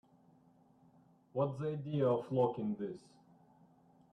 What's the idea of locking this?